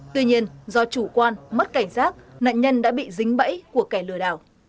tuy nhiên do chủ quan mất cảnh giác nạn nhân đã bị dính bẫy của kẻ lừa đảo